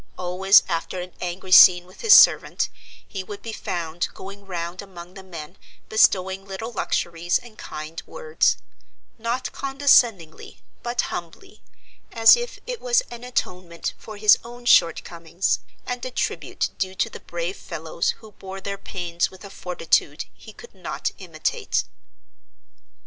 Always after an angry scene with his servant, he would be found going round among the men bestowing little luxuries and kind words; not condescendingly, but humbly, as if it was an atonement for his own shortcomings, and a tribute due to the brave fellows who bore their pains with a fortitude he could not imitate.